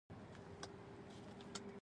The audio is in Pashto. سړي تر لاس ونيوله.